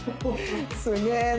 すげえな！